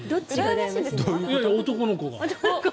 男の子が。